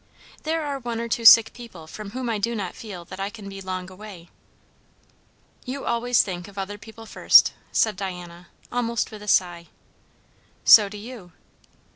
There are one or two sick people, from whom I do not feel that I can be long away." "You always think of other people first!" said Diana, almost with a sigh. "So do you."